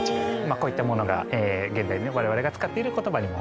こういったものが現代われわれが使っている言葉にもつながってくる。